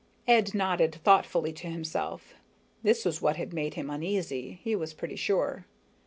Ed nodded thoughtfully to himself. This was what had made him uneasy, he was pretty sure.